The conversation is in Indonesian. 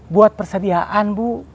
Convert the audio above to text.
buat persediaan bu